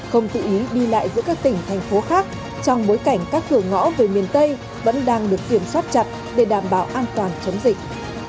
không tự ý đi lại giữa các tỉnh thành phố khác trong bối cảnh các cửa ngõ về miền tây vẫn đang được kiểm soát chặt để đảm bảo an toàn chống dịch